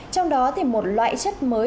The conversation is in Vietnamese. trong đó thì một loại chất mới